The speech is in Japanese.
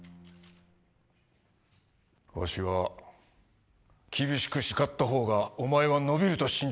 ワシは厳しく叱ったほうがお前は伸びると信じていた。